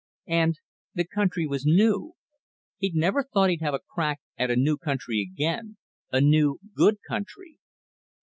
And, the country was new. He'd never thought he'd have a crack at a new country again, a new, good country.